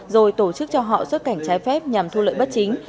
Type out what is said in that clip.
rồi tổ chức cho họ xuất cảnh trái phép nhằm thu lợi bất chính